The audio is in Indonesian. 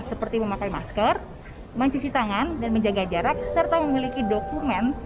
seperti memakai masker mencuci tangan dan menjaga jarak serta memiliki dokumen